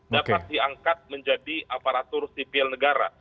dapat diangkat menjadi aparatur sipil negara